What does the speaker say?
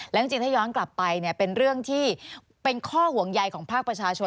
และจริงถ้าย้อนกลับไปเป็นเรื่องที่เป็นข้อห่วงใยของภาคประชาชน